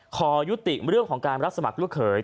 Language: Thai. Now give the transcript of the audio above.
ขอยุติเรื่องของการรับสมัครลูกเขย